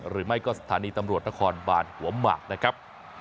หรือไม่ก็สถานีตำรวจนครบานหัวหมากนะครับ